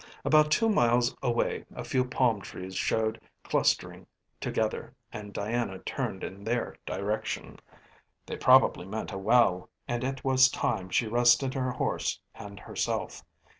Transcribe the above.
About two miles away a few palm trees showed clustering together, and Diana turned in their direction. They probably meant a well, and it was time she rested her horse and herself.